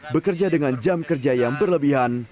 bekerja dengan jam kerja yang berlebihan